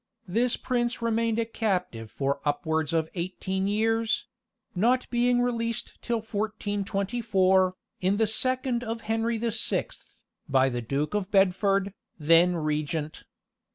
This prince remained a captive for upwards of eighteen years; not being released till 1424, in the second of Henry the Sixth, by the Duke of Bedford, then regent.